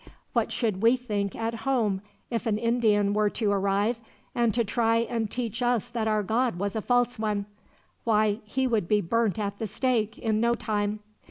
"What should we think, at home, if an Indian were to arrive, and to try and teach us that our God was a false one? Why, he would be burnt at the stake, in no time.